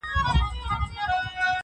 مګر اوس نوی دور نوی فکر نوی افغان,